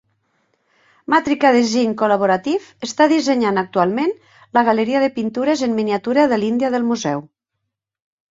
Matrika Design Collaborative està dissenyant actualment la galeria de pintures en miniatura de l'Índia del museu.